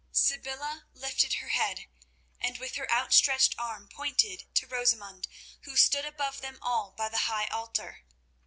Sybilla lifted her head, and with her outstretched arm pointed to Rosamund, who stood above them all by the high altar.